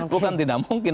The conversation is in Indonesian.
bukan tidak mungkin